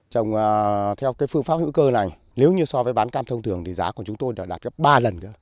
trồng theo phương pháp hữu cơ này nếu như so với bán cam thông thường thì giá của chúng tôi đã đạt gấp ba lần nữa